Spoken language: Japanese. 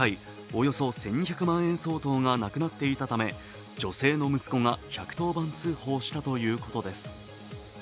およそ１２００万円相当がなくなっていたため女性の息子が１１０番通報したということです。